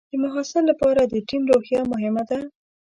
د محصل لپاره د ټیم روحیه مهمه ده.